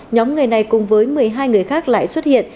nhóm người này cùng với một mươi hai người khác lại xuất hiện